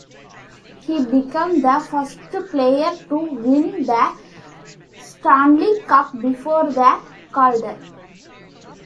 He became the first player to win the Stanley Cup before the Calder.